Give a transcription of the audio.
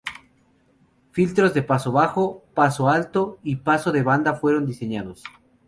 Filtros de paso bajo, paso alto y de paso de banda fueron diseñados.